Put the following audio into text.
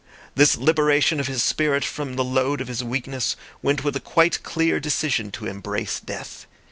This liberation of his spirit from the load of his weakness went with a quite clear decision to embrace death.